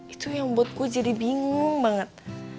itu yang membuat gue jadi bingung banget